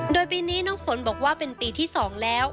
โดยปีนี้น้องฝนบอกว่าเป็นปีที่๒แล้ว